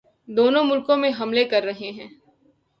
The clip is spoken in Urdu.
دونوں ملکوں میں حملے کررہے ہیں